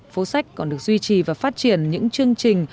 phố sách còn được duy trì và phát triển những chương trình